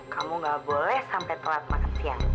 kamu gak boleh sampai telat makan siang